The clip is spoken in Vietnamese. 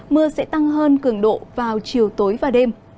mưa sẽ tăng hơn cường độ vào chiều tối và đêm